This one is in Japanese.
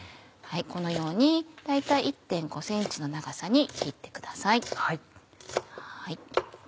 このように大体１．５ｃｍの長さに切ってください。